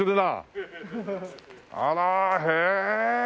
あらへえ！